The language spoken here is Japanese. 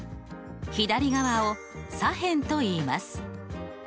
左側を左辺といいます。